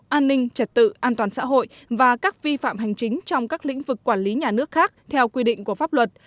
an ninh trật tự an toàn xã hội và các vi phạm hành chính trong các lĩnh vực quản lý nhà nước khác theo quy định của pháp luật